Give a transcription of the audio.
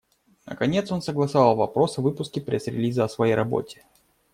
Наконец, он согласовал вопрос о выпуске пресс-релиза о своей работе.